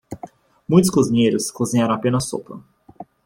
Muitos cozinheiros cozinharam apenas sopa.